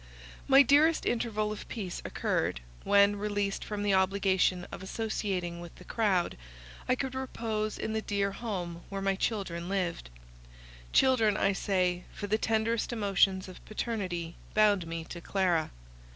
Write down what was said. My dearest interval of peace occurred, when, released from the obligation of associating with the crowd, I could repose in the dear home where my children lived. Children I say, for the tenderest emotions of paternity bound me to Clara.